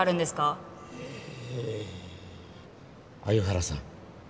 え鮎原さん。